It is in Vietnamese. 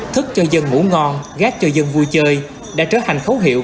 thức cho dân ngủ ngon gác cho dân vui chơi đã trở thành khấu hiệu